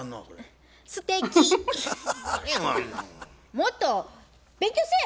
もっと勉強せえ！